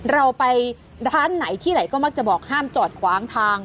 เราไปร้านไหนที่ไหนก็บอกก็ห้ามจอดคว้างทาง